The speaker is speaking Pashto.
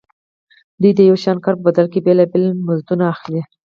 دوی د یو شان کار په بدل کې بېلابېل مزدونه اخلي